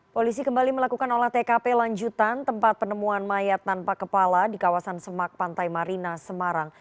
polisi kembali melakukan olah tkp lanjutan tempat penemuan mayat tanpa kepala di kawasan semak pantai marina semarang